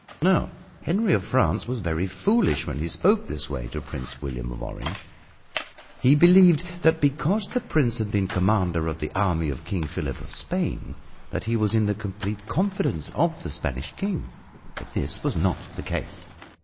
Now Henry of France was very foolish when he spoke this way to Prince William of Orange. He believed that because the Prince had been commander of the army of King Philip of Spain that he was in the complete confidence of the Spanish King but this was not the case.